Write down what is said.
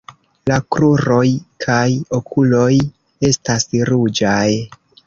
La kruroj kaj okuloj estas ruĝaj.